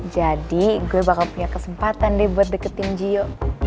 jadi gue bakal punya kesempatan deh buat deketin gio